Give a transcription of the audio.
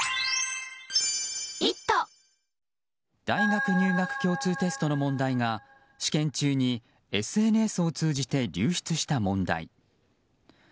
大学入学共通テストの問題が試験中にＳＮＳを通じて流出した問題。